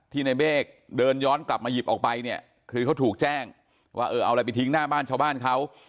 ในเมฆเดินย้อนกลับมาหยิบออกไปเนี่ยคือเขาถูกแจ้งว่าเออเอาอะไรไปทิ้งหน้าบ้านชาวบ้านเขา